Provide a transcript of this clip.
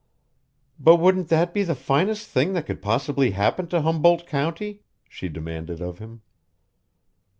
"But wouldn't that be the finest thing that could possibly happen to Humboldt County?" she demanded of him.